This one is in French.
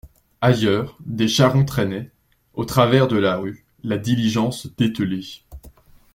Ailleurs, des charrons traînaient, au travers de la rue, la diligence dételée.